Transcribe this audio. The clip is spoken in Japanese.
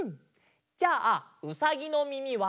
じゃあうさぎのみみは？